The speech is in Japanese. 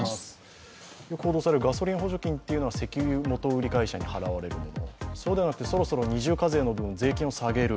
ガソリン補助金というのは石油元売り会社に払われるものそうではなく、そろそろ二重課税の分、税金を下げる。